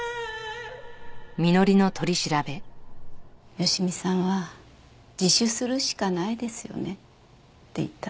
佳美さんは「自首するしかないですよね」って言ったの。